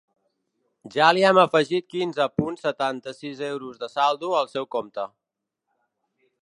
Ja li hem afegit quinze punt setanta-sis euros de saldo al seu compte.